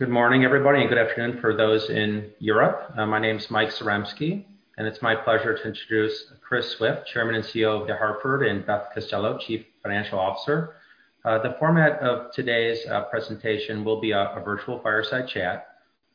Good morning, everybody, and good afternoon for those in Europe. My name's Mike Zarembski, and it's my pleasure to introduce Chris Swift, Chairman and Chief Executive Officer of The Hartford, and Beth Costello, Chief Financial Officer. The format of today's presentation will be a virtual fireside chat.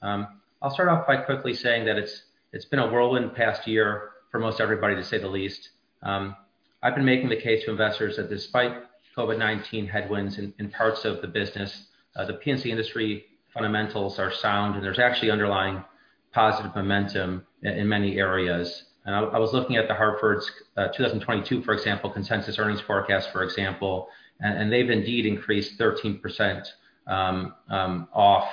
I'll start off by quickly saying that it's been a whirlwind past year for most everybody, to say the least. I've been making the case to investors that despite COVID-19 headwinds in parts of the business, the P&C industry fundamentals are sound, and there's actually underlying positive momentum in many areas. I was looking at The Hartford's 2022, for example, consensus earnings forecast, for example, and they've indeed increased 13% off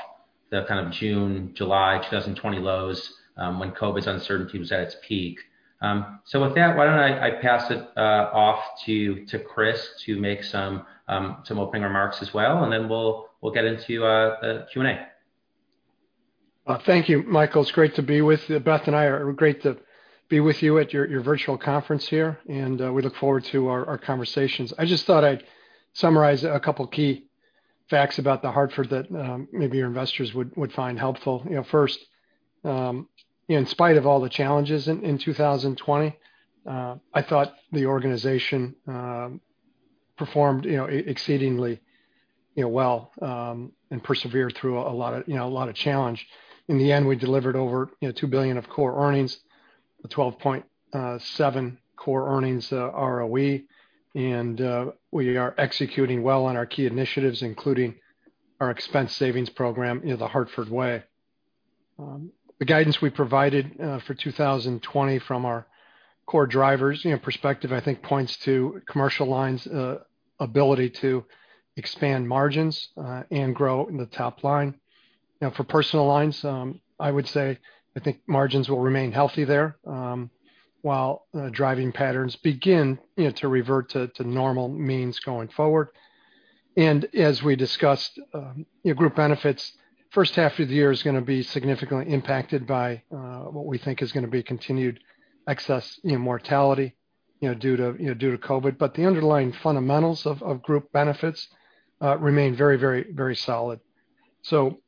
the kind of June, July 2020 lows, when COVID's uncertainty was at its peak. With that, why don't I pass it off to Chris to make some opening remarks as well, and then we'll get into Q&A. Thank you, Michael. It's great to be with you. Beth and I, great to be with you at your virtual conference here, and we look forward to our conversations. I just thought I'd summarize a couple key facts about The Hartford that maybe your investors would find helpful. First, in spite of all the challenges in 2020, I thought the organization performed exceedingly well, and persevered through a lot of challenge. In the end, we delivered over $2 billion of core earnings, a 12.7 core earnings ROE, and we are executing well on our key initiatives, including our expense savings program, The Hartford Way. The guidance we provided for 2020 from our core drivers perspective, I think points to Commercial Lines' ability to expand margins and grow in the top line. For Personal Lines, I would say I think margins will remain healthy there, while driving patterns begin to revert to normal means going forward. As we discussed, Group Benefits, first half of the year is going to be significantly impacted by what we think is going to be continued excess mortality due to COVID. The underlying fundamentals of Group Benefits remain very solid. The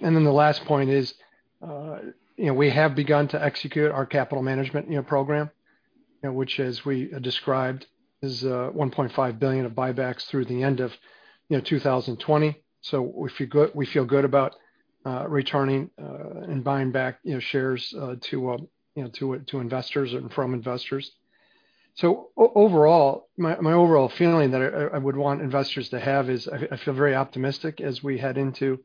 last point is, we have begun to execute our capital management program, which as we described, is $1.5 billion of buybacks through the end of 2020. We feel good about returning and buying back shares to investors, and from investors. Overall, my overall feeling that I would want investors to have is, I feel very optimistic as we head into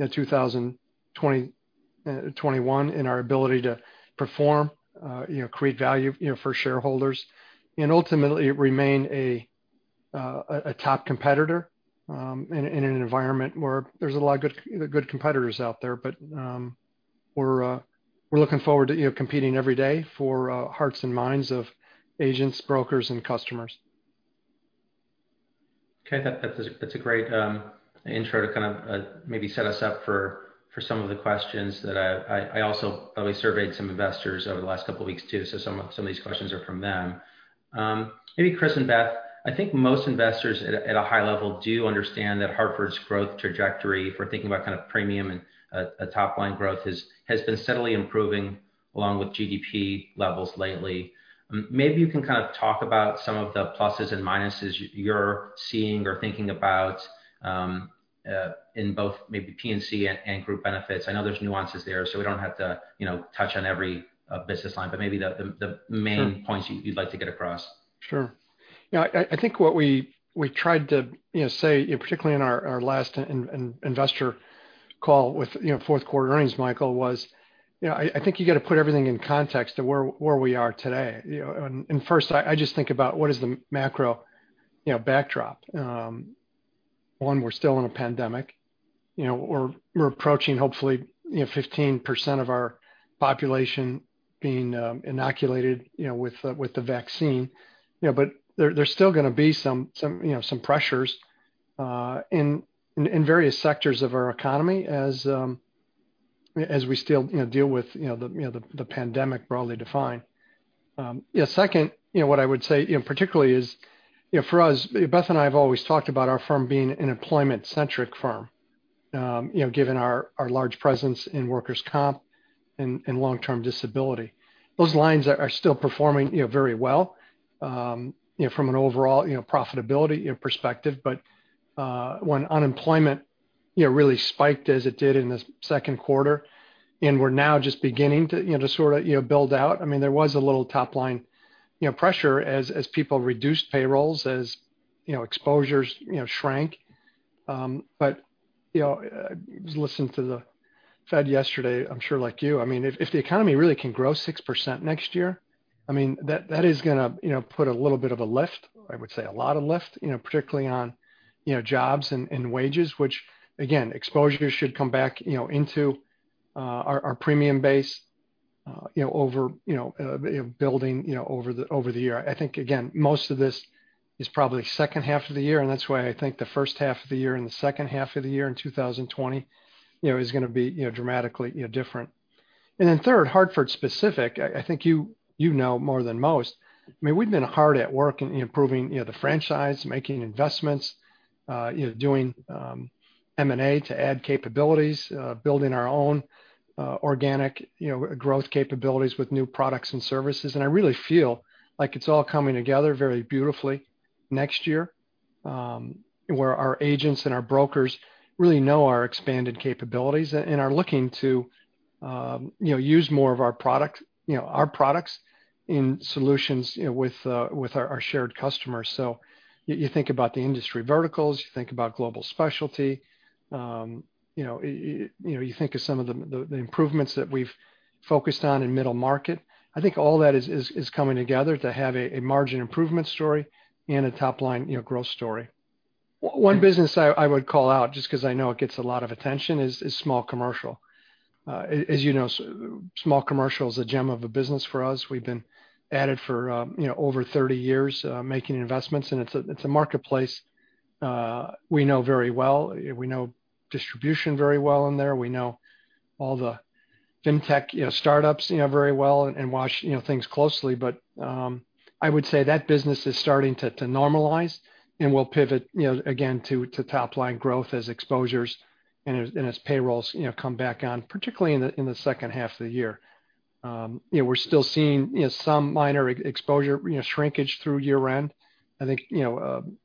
2021 in our ability to perform, create value for shareholders, and ultimately remain a top competitor in an environment where there's a lot of good competitors out there. We're looking forward to competing every day for hearts and minds of agents, brokers, and customers. Okay. That's a great intro to kind of maybe set us up for some of the questions that I also, probably surveyed some investors over the last couple of weeks too, so some of these questions are from them. Chris and Beth, I think most investors at a high level do understand that The Hartford's growth trajectory, if we're thinking about kind of premium and top-line growth, has been steadily improving along with GDP levels lately. Maybe you can kind of talk about some of the pluses and minuses you're seeing or thinking about in both maybe P&C and Group Benefits. I know there's nuances there, so we don't have to touch on every business line, but maybe the main points you'd like to get across. Sure. I think what we tried to say, particularly in our last investor call with fourth quarter earnings, Michael, was, I think you got to put everything in context of where we are today. First, I just think about what is the macro backdrop. One, we're still in a pandemic. We're approaching, hopefully, 15% of our population being inoculated with the vaccine. There's still going to be some pressures in various sectors of our economy as we still deal with the pandemic broadly defined. Second, what I would say particularly is, for us, Beth and I have always talked about our firm being an employment-centric firm, given our large presence in workers' comp and long-term disability. Those lines are still performing very well from an overall profitability perspective. When unemployment really spiked as it did in the second quarter, and we're now just beginning to sort of build out, there was a little top-line pressure as people reduced payrolls, as exposures shrank. I was listening to the Fed yesterday, I'm sure like you. If the economy really can grow 6% next year, that is going to put a little bit of a lift, I would say a lot of lift, particularly on jobs and wages, which again, exposure should come back into our premium base, building over the year. I think, again, most of this is probably second half of the year, and that's why I think the first half of the year and the second half of the year in 2020 is going to be dramatically different. Third, The Hartford specific, I think you know more than most. We've been hard at work improving the franchise, making investments, doing M&A to add capabilities, building our own organic growth capabilities with new products and services. I really feel like it's all coming together very beautifully next year, where our agents and our brokers really know our expanded capabilities and are looking to use more of our products in solutions with our shared customers. You think about the industry verticals, you think about Global Specialty, you think of some of the improvements that we've focused on in middle market. I think all that is coming together to have a margin improvement story and a top-line growth story. One business I would call out, just because I know it gets a lot of attention, is Small Commercial. As you know, Small Commercial is a gem of a business for us. We've been at it for over 30 years, making investments, and it's a marketplace we know very well. We know distribution very well in there. We know all the FinTech startups very well and watch things closely. I would say that business is starting to normalize and will pivot again to top-line growth as exposures and as payrolls come back on, particularly in the second half of the year. We're still seeing some minor exposure shrinkage through year-end. I think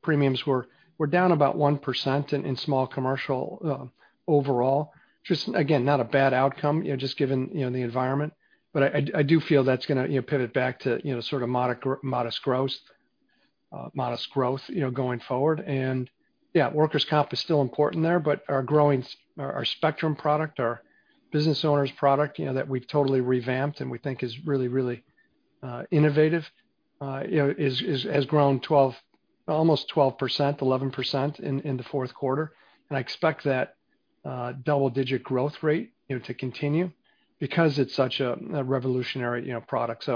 premiums were down about 1% in Small Commercial overall. Just, again, not a bad outcome, just given the environment. I do feel that's going to pivot back to sort of modest growth going forward. Yeah, workers' comp is still important there, but our growing our Spectrum product, our business owner's product that we've totally revamped and we think is really innovative, has grown almost 12%, 11% in the fourth quarter. I expect that double-digit growth rate to continue because it's such a revolutionary product.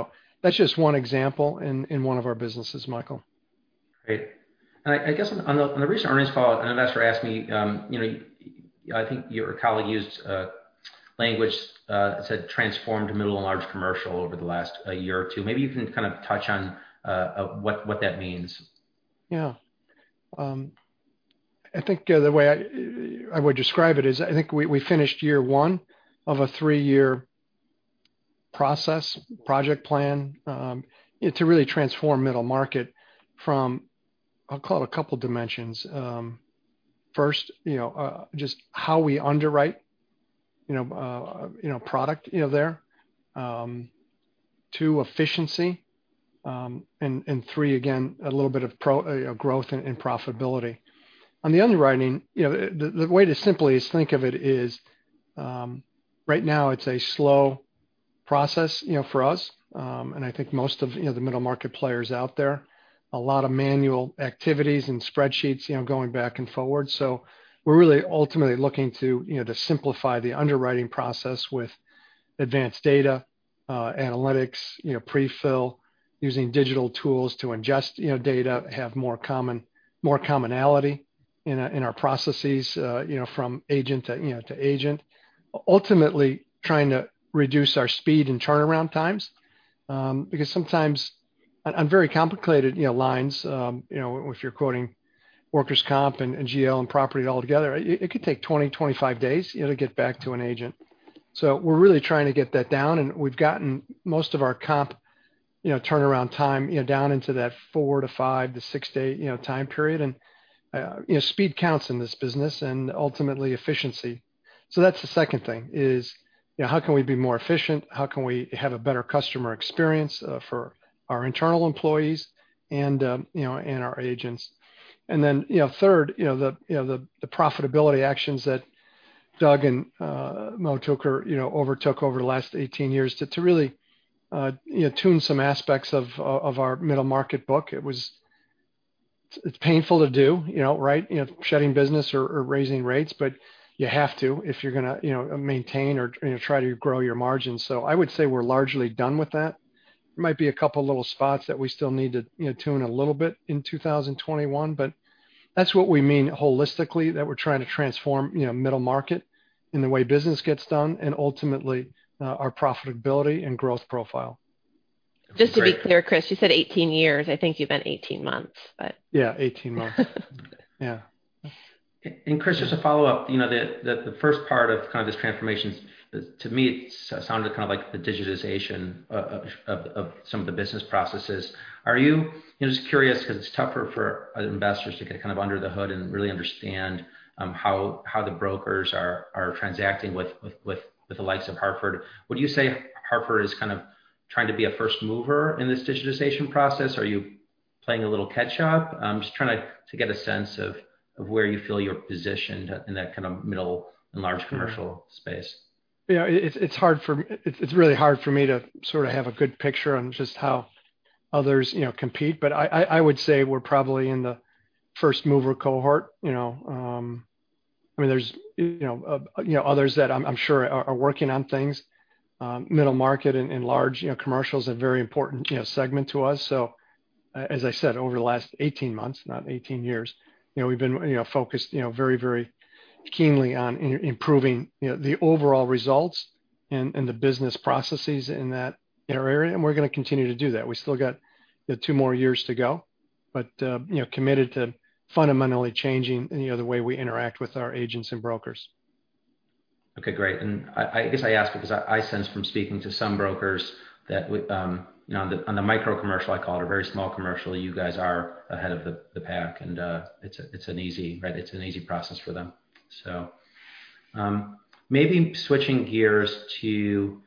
That's just one example in one of our businesses, Michael. Great. I guess on the recent earnings call, an investor asked me, I think your colleague used language that said, "Transformed middle and large commercial over the last year or two." Maybe you can kind of touch on what that means. Yeah. I think the way I would describe it is, I think we finished year one of a three-year process, project plan to really transform middle market from, I'll call it a couple dimensions. First, just how we underwrite product there. Two, efficiency. Three, again, a little bit of growth and profitability. On the underwriting, the way to simply think of it is right now, it's a slow process for us, and I think most of the Middle Market players out there. A lot of manual activities and spreadsheets going back and forward. We're really ultimately looking to simplify the underwriting process with advanced data analytics, pre-fill, using digital tools to ingest data, have more commonality in our processes from agent to agent. Ultimately, trying to reduce our speed and turnaround times. Because sometimes on very complicated lines, if you're quoting workers' comp and GL and property all together, it could take 20, 25 days, to get back to an agent. We're really trying to get that down, and we've gotten most of our comp turnaround time down into that four to five to six-day time period. Speed counts in this business and ultimately efficiency. That's the second thing, is how can we be more efficient? How can we have a better customer experience for our internal employees and our agents? Third, the profitability actions that Doug and Mo overtook over the last 18 years to really tune some aspects of our middle market book. It's painful to do, right? Shedding business or raising rates, but you have to if you're going to maintain or try to grow your margins. I would say we're largely done with that. There might be a couple little spots that we still need to tune a little bit in 2021, but that's what we mean holistically, that we're trying to transform middle market and the way business gets done, and ultimately our profitability and growth profile. Just to be clear, Chris, you said 18 years. I think you meant 18 months. Yeah, 18 months. Yeah. Chris, just to follow up, the first part of kind of this transformation, to me, it sounded kind of like the digitization of some of the business processes. Just curious, because it's tougher for investors to get kind of under the hood and really understand how the brokers are transacting with the likes of Hartford. Would you say Hartford is kind of trying to be a first mover in this digitization process? Are you playing a little catch-up? I'm just trying to get a sense of where you feel you're positioned in that kind of middle and large commercial space. It's really hard for me to sort of have a good picture on just how others compete, but I would say we're probably in the first-mover cohort. There's others that I'm sure are working on things. Middle market and large commercial is a very important segment to us. As I said, over the last 18 months, not 18 years, we've been focused very keenly on improving the overall results and the business processes in our area, and we're going to continue to do that. We still got two more years to go, but committed to fundamentally changing the way we interact with our agents and brokers. Okay, great. I guess I ask because I sense from speaking to some brokers that on the micro commercial, I call it, or very Small Commercial, you guys are ahead of the pack, and it's an easy process for them. Maybe switching gears to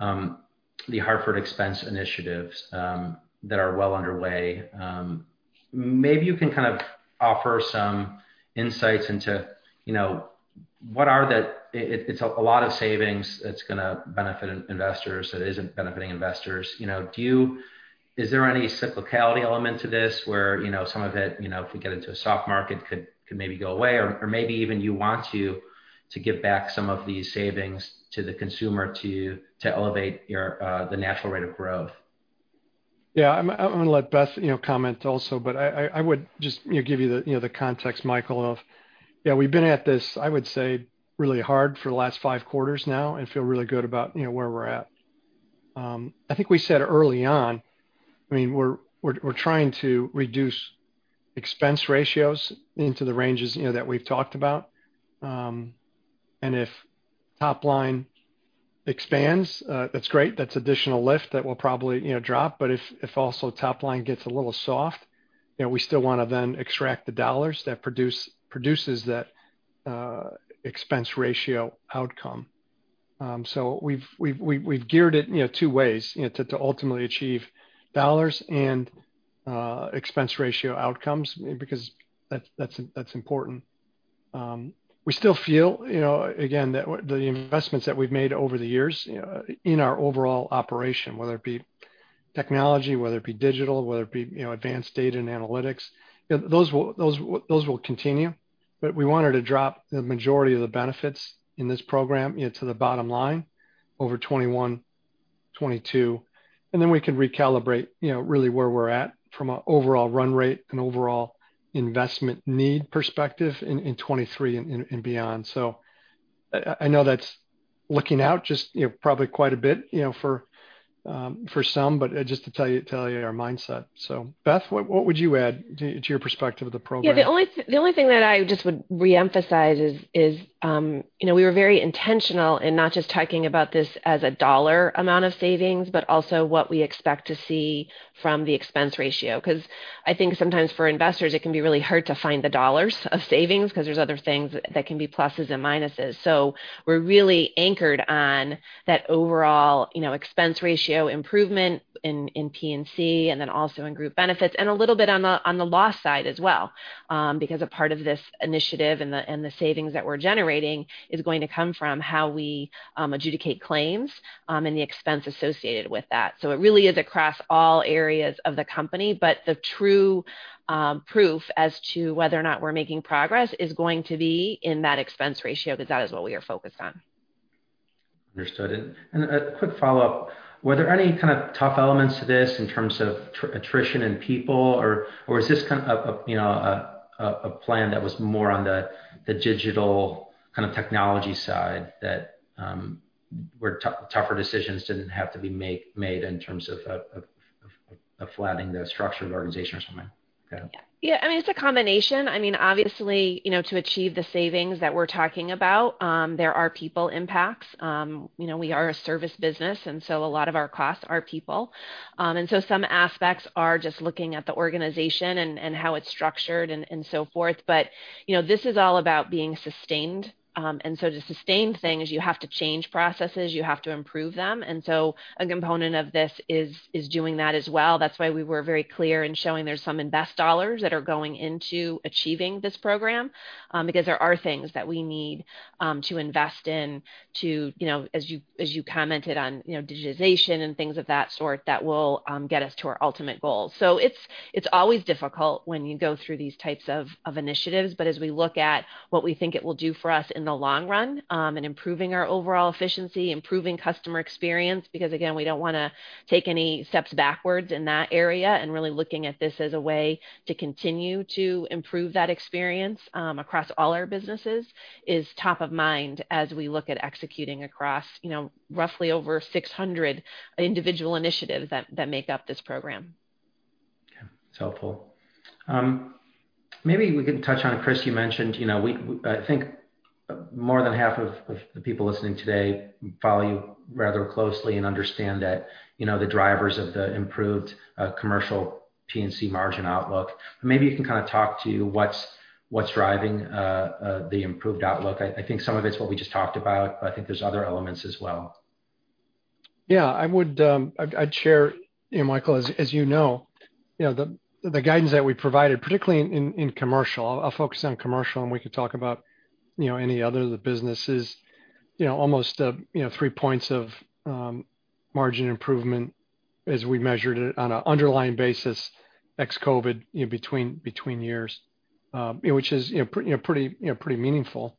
The Hartford Expense initiatives that are well underway. Maybe you can kind of offer some insights into what are the It's a lot of savings that's going to benefit investors, that is benefiting investors. Is there any cyclicality element to this where some of it, if we get into a soft market, could maybe go away or maybe even you want to give back some of these savings to the consumer to elevate the natural rate of growth? I'm going to let Beth comment also, but I would just give you the context, Michael, of we've been at this, I would say, really hard for the last five quarters now and feel really good about where we're at. I think we said early on, we're trying to reduce expense ratios into the ranges that we've talked about. If top line expands, that's great. That's additional lift that will probably drop. If also top line gets a little soft, we still want to then extract the dollars that produces that expense ratio outcome. We've geared it two ways to ultimately achieve dollars and expense ratio outcomes, because that's important. We still feel, again, that the investments that we've made over the years in our overall operation, whether it be technology, whether it be digital, whether it be advanced data and analytics, those will continue, but we wanted to drop the majority of the benefits in this program to the bottom line over 2021, 2022. Then we can recalibrate really where we're at from an overall run rate and overall investment need perspective in 2023 and beyond. I know that's looking out just probably quite a bit for some, but just to tell you our mindset. Beth, what would you add to your perspective of the program? Yeah, the only thing that I just would reemphasize is we were very intentional in not just talking about this as a dollar amount of savings, but also what we expect to see from the expense ratio. I think sometimes for investors, it can be really hard to find the dollars of savings because there's other things that can be pluses and minuses. We're really anchored on that overall expense ratio improvement in P&C, and then also in Group Benefits, and a little bit on the loss side as well. A part of this initiative and the savings that we're generating is going to come from how we adjudicate claims, and the expense associated with that. It really is across all areas of the company, but the true proof as to whether or not we're making progress is going to be in that expense ratio, because that is what we are focused on. Understood. A quick follow-up, were there any kind of tough elements to this in terms of attrition in people, or is this a plan that was more on the digital kind of technology side that where tougher decisions didn't have to be made in terms of flattening the structure of the organization or something? Okay. Yeah. It's a combination. Obviously, to achieve the savings that we're talking about, there are people impacts. We are a service business, a lot of our costs are people. Some aspects are just looking at the organization and how it's structured and so forth, but this is all about being sustained. To sustain things, you have to change processes, you have to improve them, a component of this is doing that as well. That's why we were very clear in showing there's some invest dollars that are going into achieving this program, because there are things that we need to invest in to, as you commented on, digitization and things of that sort, that will get us to our ultimate goal. It's always difficult when you go through these types of initiatives, but as we look at what we think it will do for us in the long run, and improving our overall efficiency, improving customer experience, because again, we don't want to take any steps backwards in that area, and really looking at this as a way to continue to improve that experience across all our businesses is top of mind as we look at executing across roughly over 600 individual initiatives that make up this program. Okay. That's helpful. Maybe we can touch on, Chris, you mentioned, I think more than half of the people listening today follow you rather closely and understand that the drivers of the improved Commercial P&C margin outlook. Maybe you can kind of talk to what's driving the improved outlook. I think some of it's what we just talked about, but I think there's other elements as well. Yeah. I'd share, Michael, as you know, the guidance that we provided, particularly in commercial, I'll focus on commercial and we can talk about any other of the businesses. Almost 3 points of margin improvement as we measured it on an underlying basis, ex-COVID, between years, which is pretty meaningful.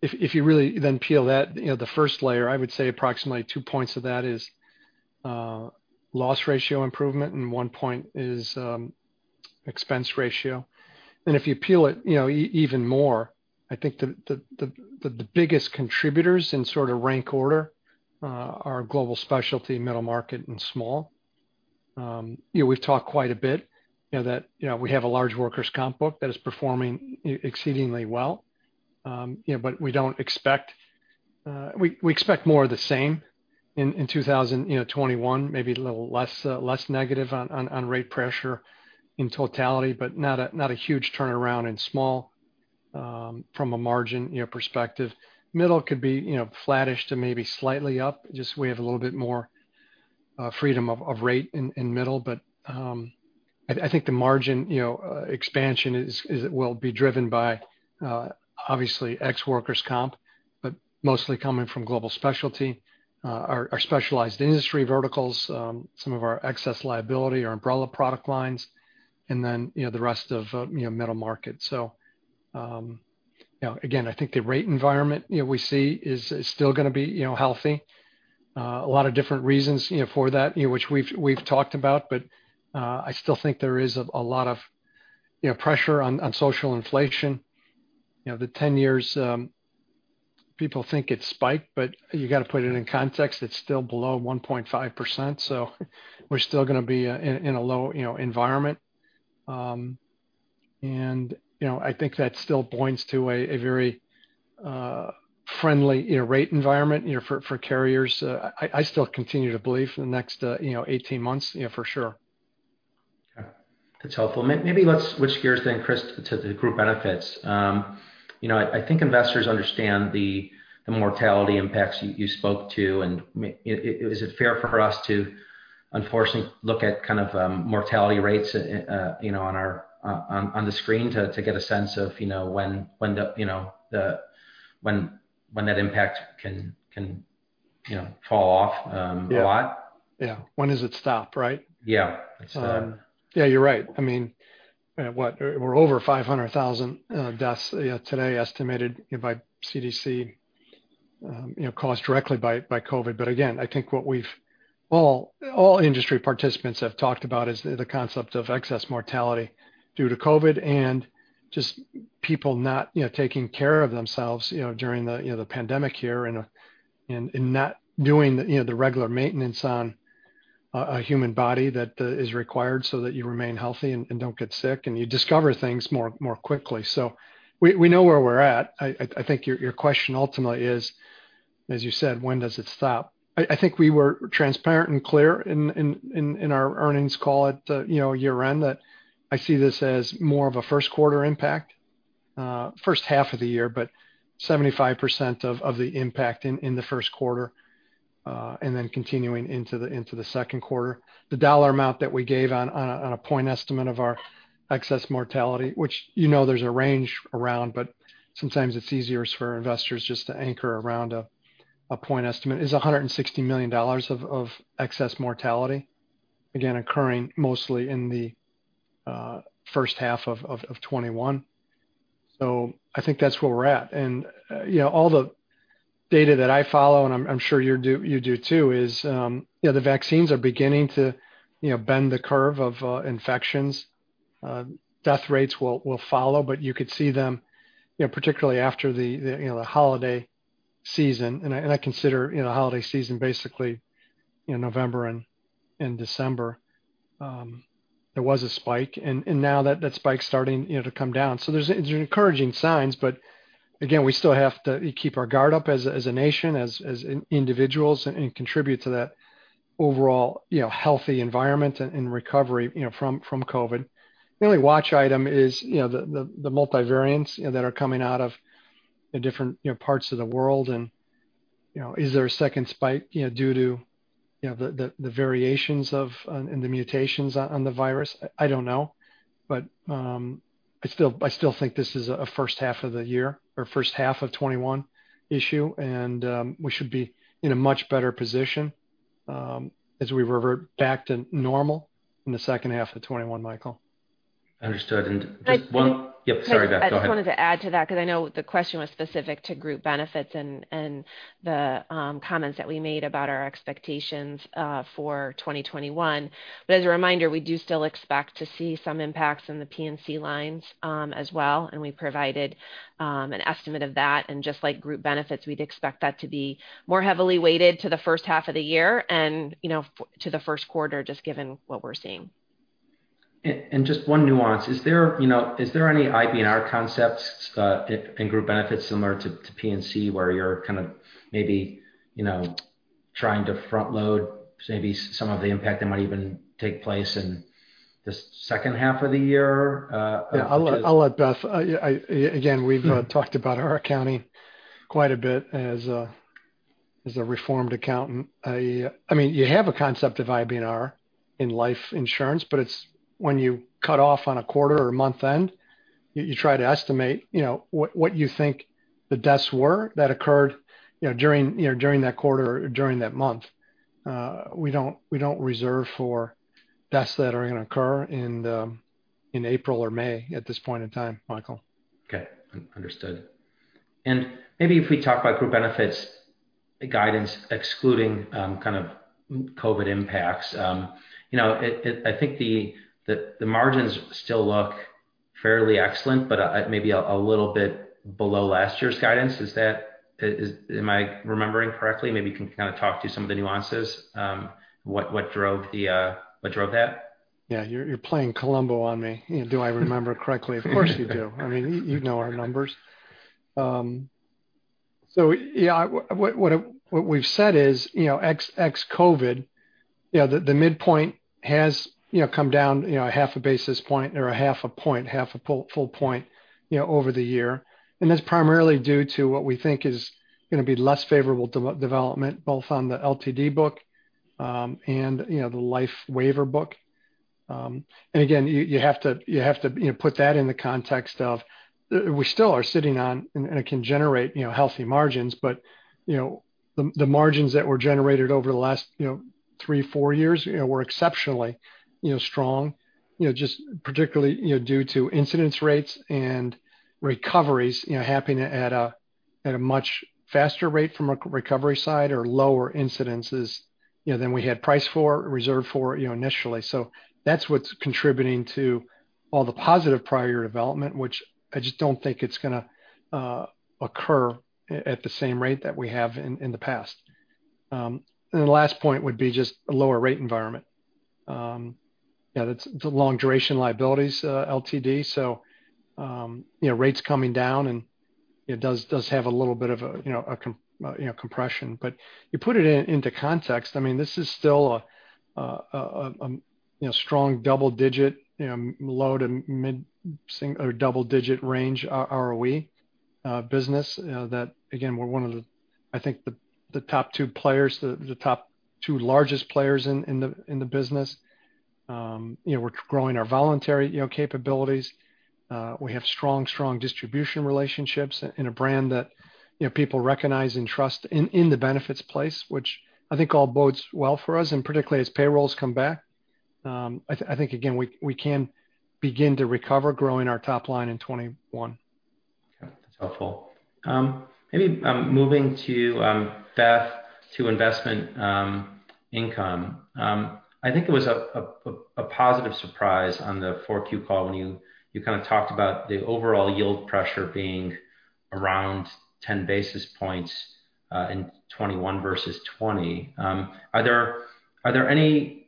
If you really then peel that, the first layer, I would say approximately 2 points of that is loss ratio improvement and 1 point is expense ratio. If you peel it even more, I think the biggest contributors in sort of rank order are Global Specialty, middle market, and small. We've talked quite a bit that we have a large workers' comp book that is performing exceedingly well. We expect more of the same in 2021, maybe a little less negative on rate pressure in totality, but not a huge turnaround in small from a margin perspective. Middle market could be flattish to maybe slightly up, just we have a little bit more freedom of rate in middle market. I think the margin expansion will be driven by obviously ex workers' comp, but mostly coming from Global Specialty, our specialized industry verticals, some of our excess liability, our umbrella product lines, and then the rest of middle market. Again, I think the rate environment we see is still going to be healthy. A lot of different reasons for that, which we've talked about. I still think there is a lot of pressure on social inflation. The 10-year, people think it spiked, but you got to put it in context. It's still below 1.5%, so we're still going to be in a low environment. I think that still points to a very friendly rate environment for carriers. I still continue to believe for the next 18 months, for sure. Okay. That's helpful. Maybe let's switch gears then, Chris, to the Group Benefits. I think investors understand the mortality impacts you spoke to, is it fair for us to unfortunately look at kind of mortality rates on the screen to get a sense of when that impact can fall off a lot? Yeah. When does it stop, right? Yeah. Yeah, you're right. We're over 500,000 deaths today estimated by CDC, caused directly by COVID. Again, I think what all industry participants have talked about is the concept of excess mortality due to COVID and just people not taking care of themselves during the pandemic here and not doing the regular maintenance on a human body that is required so that you remain healthy and don't get sick, and you discover things more quickly. We know where we're at. I think your question ultimately is, as you said, when does it stop? I think we were transparent and clear in our earnings call at year-end that I see this as more of a first quarter impact, first half of the year, 75% of the impact in the first quarter, continuing into the second quarter. The dollar amount that we gave on a point estimate of our excess mortality, which you know there's a range around, but sometimes it's easier for investors just to anchor around a point estimate, is $160 million of excess mortality, again, occurring mostly in the first half of 2021. I think that's where we're at. All the data that I follow, and I'm sure you do too, is the vaccines are beginning to bend the curve of infections. Death rates will follow, you could see them, particularly after the holiday season, I consider holiday season basically November and December. There was a spike, now that spike's starting to come down. There's encouraging signs, again, we still have to keep our guard up as a nation, as individuals, and contribute to that overall healthy environment and recovery from COVID. The only watch item is the multivariants that are coming out of the different parts of the world, is there a second spike due to the variations of and the mutations on the virus? I don't know. I still think this is a first half of the year or first half of 2021 issue, we should be in a much better position as we revert back to normal in the second half of 2021, Michael. Understood, and just one- Chris can- Yep, sorry, Beth, go ahead. I just wanted to add to that because I know the question was specific to Group Benefits and the comments that we made about our expectations for 2021. As a reminder, we do still expect to see some impacts in the P&C lines as well, and we provided an estimate of that. Just like Group Benefits, we'd expect that to be more heavily weighted to the first half of the year and to the first quarter, just given what we're seeing. Just one nuance, is there any IBNR concepts in Group Benefits similar to P&C where you're kind of maybe trying to front load maybe some of the impact that might even take place in the second half of the year? I'll let Beth. Again, we've talked about our accounting quite a bit as a reformed accountant. You have a concept of IBNR in life insurance, but it's when you cut off on a quarter or month-end, you try to estimate what you think the deaths were that occurred during that quarter or during that month. We don't reserve for deaths that are going to occur in April or May at this point in time, Michael. Okay. Understood. Maybe if we talk about Group Benefits guidance excluding kind of COVID impacts. I think the margins still look fairly excellent, but maybe a little bit below last year's guidance. Am I remembering correctly? Maybe you can kind of talk through some of the nuances, what drove that. You're playing Columbo on me. Do I remember correctly? Of course you do. I mean, you know our numbers. What we've said is ex-COVID, the midpoint has come down half a basis point or a half a point, half a full point over the year. That's primarily due to what we think is going to be less favorable development, both on the LTD book, and the life waiver book. Again, you have to put that in the context of we still are sitting on, and it can generate healthy margins, but the margins that were generated over the last three, four years were exceptionally strong, just particularly due to incidence rates and recoveries happening at a much faster rate from a recovery side or lower incidences than we had priced for, reserved for initially. That's what's contributing to all the positive prior development, which I just don't think it's going to occur at the same rate that we have in the past. The last point would be just a lower rate environment. Yeah, that's the long-duration liabilities, LTD. Rates coming down, and it does have a little bit of a compression. You put it into context, I mean, this is still a strong double-digit, low to mid or double-digit range ROE business that, again, we're one of, I think, the top two players, the top two largest players in the business. We're growing our voluntary capabilities. We have strong distribution relationships and a brand that people recognize and trust in the benefits place, which I think all bodes well for us. Particularly as payrolls come back, I think, again, we can begin to recover growing our top line in 2021. Okay. That's helpful. Maybe moving to Beth to investment income. I think it was a positive surprise on the Q4 call when you kind of talked about the overall yield pressure being around 10 basis points in 2021 versus 2020. Are there any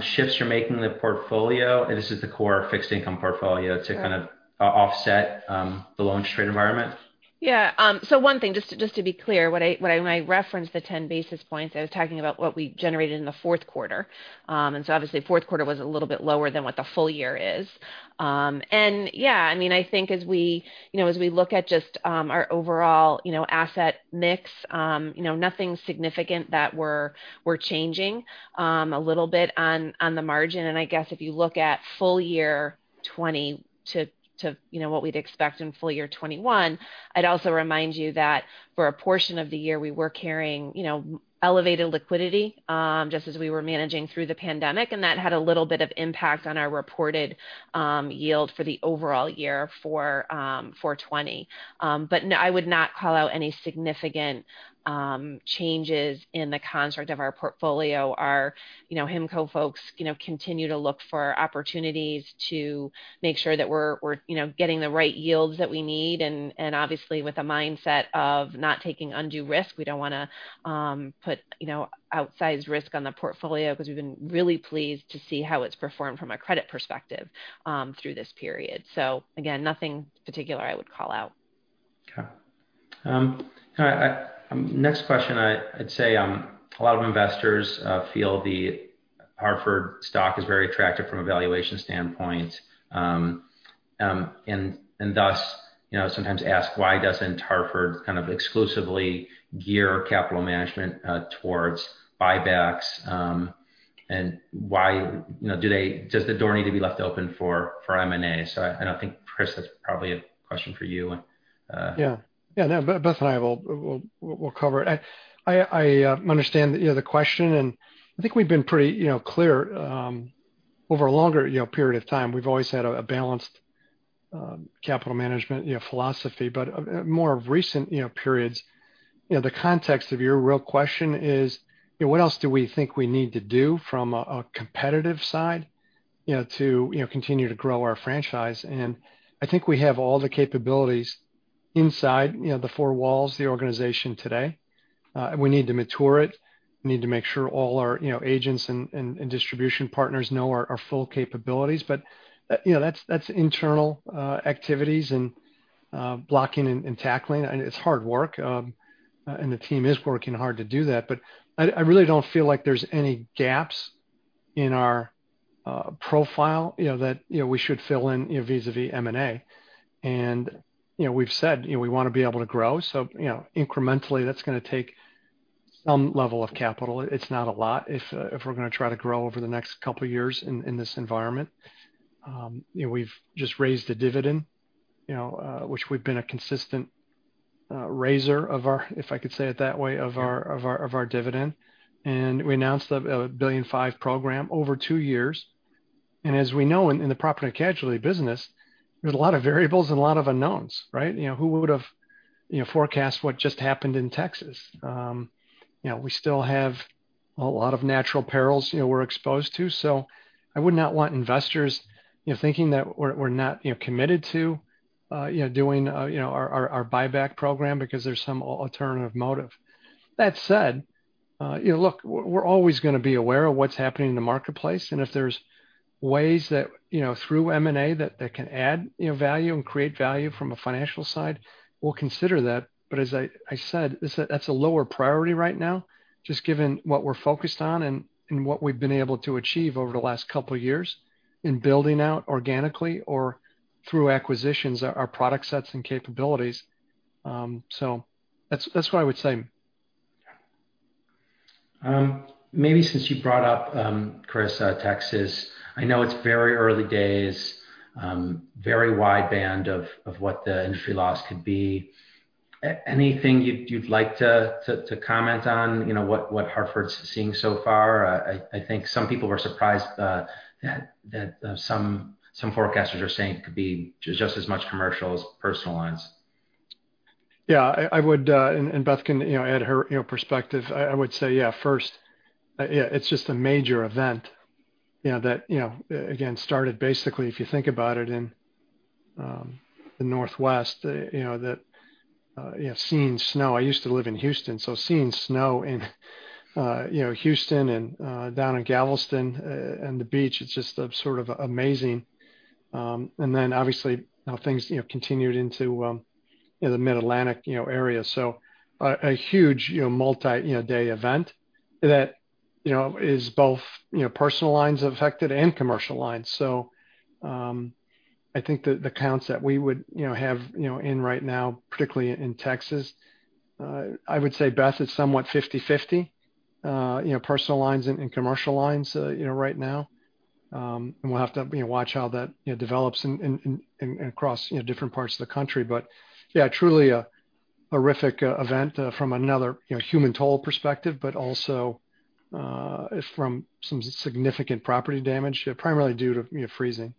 shifts you're making in the portfolio, this is the core fixed income portfolio, to kind of offset the low rate environment? Yeah. One thing, just to be clear, when I referenced the 10 basis points, I was talking about what we generated in the fourth quarter. Obviously fourth quarter was a little bit lower than what the full year is. Yeah, I think as we look at just our overall asset mix, nothing significant that we're changing a little bit on the margin. I guess if you look at full year 2020 to what we'd expect in full year 2021, I'd also remind you that for a portion of the year, we were carrying elevated liquidity, just as we were managing through the pandemic, and that had a little bit of impact on our reported yield for the overall year for 2020. I would not call out any significant changes in the construct of our portfolio. Our HIMCO folks continue to look for opportunities to make sure that we're getting the right yields that we need, obviously with a mindset of not taking undue risk. We don't want to put outsized risk on the portfolio because we've been really pleased to see how it's performed from a credit perspective through this period. Again, nothing particular I would call out. Okay. Next question, I'd say a lot of investors feel The Hartford stock is very attractive from a valuation standpoint. Thus, sometimes ask, why doesn't Hartford kind of exclusively gear capital management towards buybacks, does the door need to be left open for M&A? I think, Chris, that's probably a question for you. Yeah. No, Beth and I, we'll cover it. I understand the question. I think we've been pretty clear, over a longer period of time, we've always had a balanced capital management philosophy. More of recent periods, the context of your real question is, what else do we think we need to do from a competitive side to continue to grow our franchise? I think we have all the capabilities inside the four walls of the organization today. We need to mature it. We need to make sure all our agents and distribution partners know our full capabilities. That's internal activities and blocking and tackling, and it's hard work. The team is working hard to do that. I really don't feel like there's any gaps in our profile that we should fill in vis-a-vis M&A. We've said we want to be able to grow, incrementally, that's going to take some level of capital. It's not a lot if we're going to try to grow over the next couple of years in this environment. We've just raised a dividend, which we've been a consistent razor, if I could say it that way, of our dividend. We announced a $1.5 billion program over two years. As we know, in the property and casualty business, there's a lot of variables and a lot of unknowns, right? Who would've forecast what just happened in Texas? We still have a lot of natural perils we're exposed to. I would not want investors thinking that we're not committed to doing our buyback program because there's some alternative motive. That said, look, we're always going to be aware of what's happening in the marketplace, and if there's ways that through M&A that can add value and create value from a financial side, we'll consider that. As I said, that's a lower priority right now, just given what we're focused on and what we've been able to achieve over the last couple of years in building out organically or through acquisitions, our product sets and capabilities. That's what I would say. Maybe since you brought up, Chris, Texas, I know it's very early days, very wide band of what the industry loss could be. Anything you'd like to comment on what The Hartford's seeing so far? I think some people were surprised that some forecasters are saying it could be just as much Commercial Lines as Personal Lines. I would, Beth can add her perspective, I would say, first, it's just a major event that again, started basically, if you think about it, in the Northwest, that seeing snow. I used to live in Houston, seeing snow in Houston and down in Galveston and the beach, it's just sort of amazing. Then obviously now things continued into the Mid-Atlantic area. A huge multi-day event that is both Personal Lines affected and Commercial Lines. I think that the accounts that we would have in right now, particularly in Texas, I would say, Beth, it's somewhat 50/50, Personal Lines and Commercial Lines right now. We'll have to watch how that develops across different parts of the country. Truly a horrific event from another human toll perspective, but also, from some significant property damage, primarily due to freezing.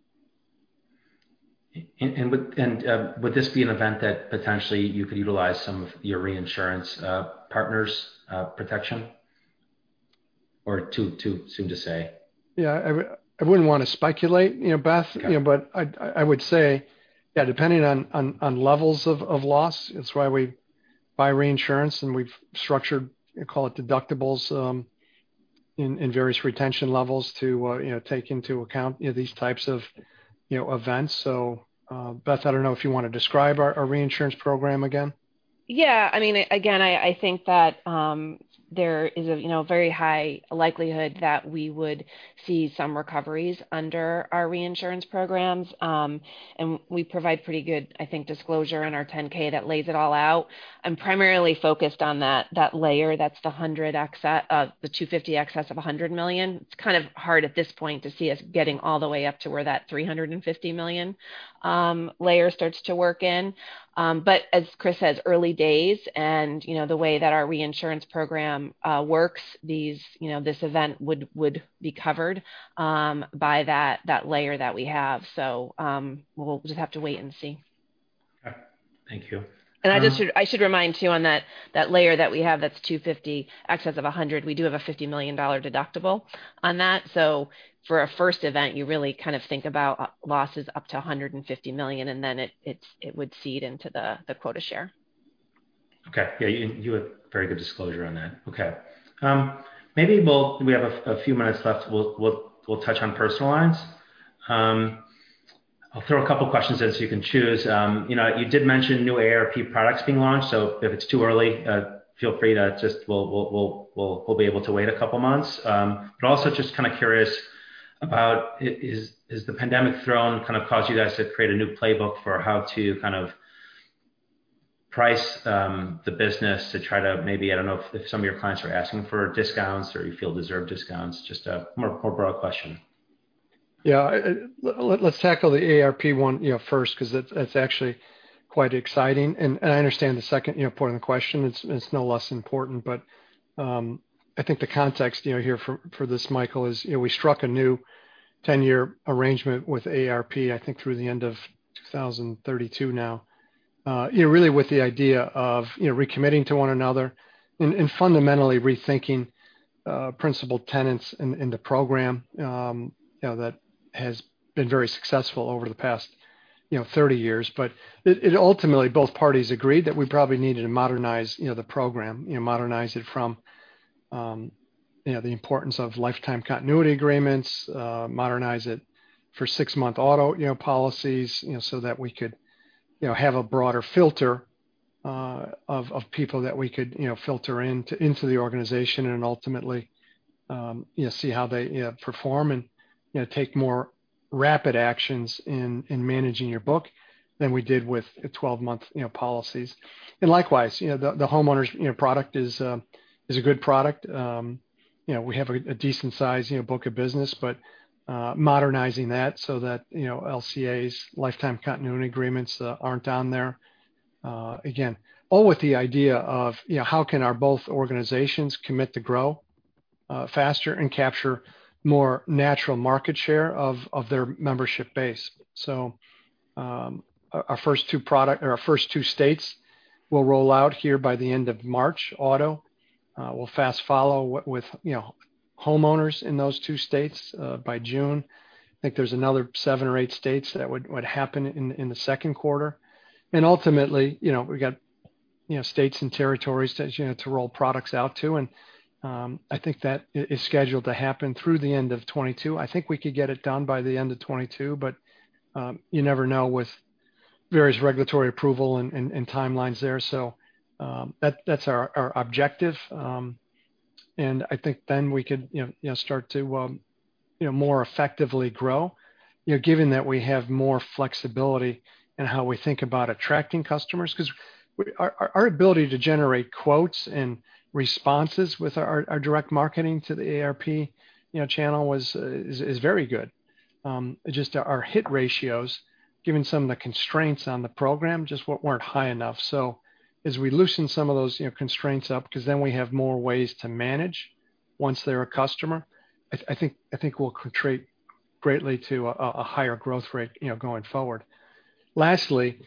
Would this be an event that potentially you could utilize some of your reinsurance partners' protection, or too soon to say? I wouldn't want to speculate, Beth. Okay. I would say, yeah, depending on levels of loss, it's why we buy reinsurance, and we've structured, call it deductibles in various retention levels to take into account these types of events. Beth, I don't know if you want to describe our reinsurance program again. Again, I think that there is a very high likelihood that we would see some recoveries under our reinsurance programs. We provide pretty good, I think, disclosure in our 10-K that lays it all out. I'm primarily focused on that layer, that's the 250 excess of $100 million. It's kind of hard at this point to see us getting all the way up to where that $350 million layer starts to work in. As Chris says, early days, and the way that our reinsurance program works, this event would be covered by that layer that we have. We'll just have to wait and see. Thank you. I should remind, too, on that layer that we have, that's 250 excess of 100, we do have a $50 million deductible on that. For a first event, you really kind of think about losses up to $150 million, then it would cede into the quota share. Okay. Yeah, you had very good disclosure on that. Okay. Maybe we have a few minutes left. We'll touch on Personal Lines. I'll throw a couple questions in so you can choose. You did mention new AARP products being launched, if it's too early, feel free to just, we'll be able to wait a couple months. Also just kind of curious about, has the pandemic thrown, kind of caused you guys to create a new playbook for how to price the business to try to maybe, I don't know if some of your clients are asking for discounts or you feel deserve discounts, just a more broad question. Yeah. Let's tackle the AARP one first because it's actually quite exciting. I understand the second part of the question. It's no less important, I think the context here for this, Michael, is we struck a new 10-year arrangement with AARP, I think through the end of 2032 now. Really with the idea of recommitting to one another and fundamentally rethinking principal tenants in the program that has been very successful over the past 30 years. It ultimately, both parties agreed that we probably needed to modernize the program. Modernize it from the importance of lifetime continuity agreements, modernize it for 6-month auto policies, that we could have a broader filter of people that we could filter into the organization and ultimately see how they perform and take more rapid actions in managing your book than we did with 12-month policies. Likewise, the homeowners product is a good product. We have a decent size book of business, modernizing that LCAs, lifetime continuity agreements, aren't on there. Again, all with the idea of how can our both organizations commit to grow faster and capture more natural market share of their membership base. Our first two states will roll out here by the end of March, auto. We'll fast follow with homeowners in those two states by June. I think there's another seven or eight states that would happen in the second quarter. Ultimately, we've got states and territories to roll products out to, and I think that is scheduled to happen through the end of 2022. I think we could get it done by the end of 2022, you never know with various regulatory approval and timelines there. That's our objective. I think then we could start to more effectively grow, given that we have more flexibility in how we think about attracting customers, because our ability to generate quotes and responses with our direct marketing to the AARP channel is very good. Just our hit ratios, given some of the constraints on the program, just weren't high enough. As we loosen some of those constraints up, because then we have more ways to manage once they're a customer, I think will contribute greatly to a higher growth rate going forward. Lastly,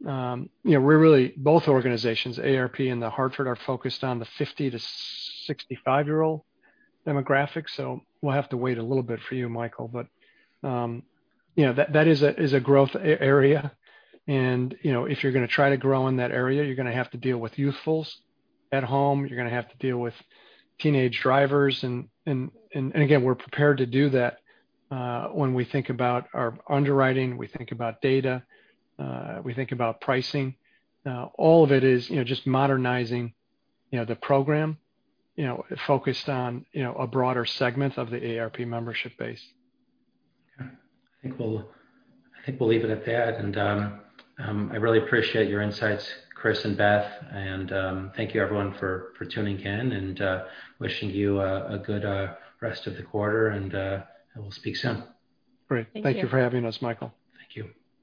both organizations, AARP and The Hartford, are focused on the 50- to 65-year-old demographic, so we'll have to wait a little bit for you, Michael. That is a growth area, and if you're going to try to grow in that area, you're going to have to deal with youthfulness at home, you're going to have to deal with teenage drivers, and again, we're prepared to do that when we think about our underwriting, we think about data, we think about pricing. All of it is just modernizing the program focused on a broader segment of the AARP membership base. Okay. I think we'll leave it at that. I really appreciate your insights, Chris and Beth, and thank you everyone for tuning in and wishing you a good rest of the quarter, and we'll speak soon. Great. Thank you. Thank you for having us, Michael. Thank you.